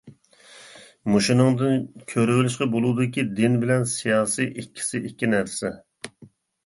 مۇشۇنىڭدىن كۆرۈۋېلىشقا بولىدۇكى دىن بىلەن سىياسىي ئىككىسى ئىككى نەرسە.